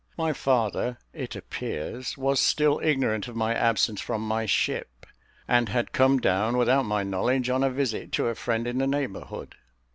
My father, it appears, was still ignorant of my absence from my ship, and had come down, without my knowledge, on a visit to a friend in the neighbourhood.